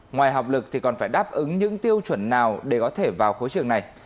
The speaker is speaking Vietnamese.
ngoài học lực thì còn phải đáp ứng những tiêu chuẩn nào để có thể vào khối trường này